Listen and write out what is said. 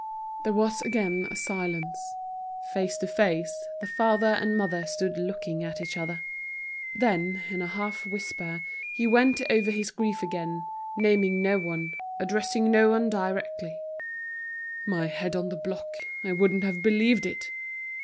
There was again a silence. Face to face, the father and mother stood looking at each other. Then, in a half whisper, he went over his grief again, naming no one, addressing no one directly: "My head on the block, I wouldn't have believed it!